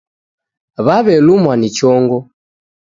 Wawelumwa ni chongo